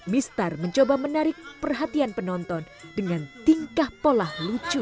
mistar mencoba menarik perhatian penonton dengan tingkah pola lucu